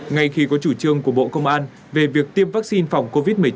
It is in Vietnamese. ngay khi có chủ trương của bộ công an về việc tiêm vắc xin phòng covid một mươi chín